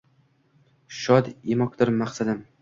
Shod etmokdir maqsadim.